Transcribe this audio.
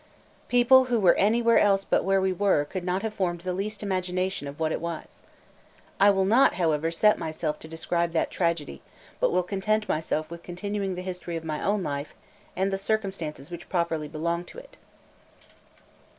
People who were anywhere else but where we were, could not have formed the least imagination of what it was. I will not, however, set myself to describe that tragedy, but will content myself with continuing the history of my own life and the circumstances which properly belong to it.